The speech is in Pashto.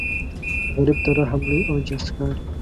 غریب ته رحم لوی اجر ښکاري